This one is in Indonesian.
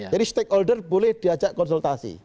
jadi stakeholder boleh diajak konsultasi